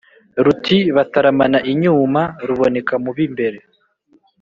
Ruti bataramana inyuma, ruboneka mu b’imbere,